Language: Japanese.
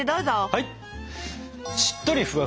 はい！